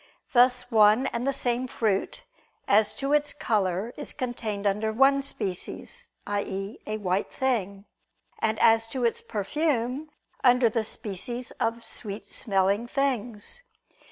Thus one and the same fruit, as to its color, is contained under one species, i.e. a white thing: and, as to its perfume, under the species of sweet smelling things.